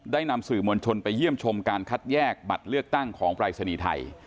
นำสื่อมวลชนไปเยี่ยมชมการคัดแยกบัตรเลือกตั้งของปรายศนีย์ไทย